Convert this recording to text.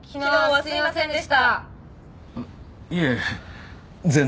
すいませんでした。